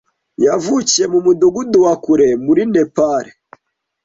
Yavukiye mu mudugudu wa kure muri Nepal.